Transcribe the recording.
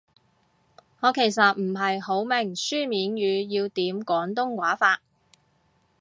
我其實唔係好明書面語要點廣東話法